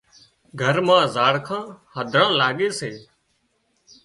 گھر مان زاڙکان هڌران لاڳي سي